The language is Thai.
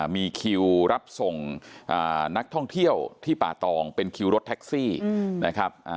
มีคิวรับส่งนักท่องเที่ยวที่ป่าตองเป็นคิวรถแท็กซี่นะครับ